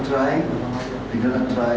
jadi ada banyak yang kita coba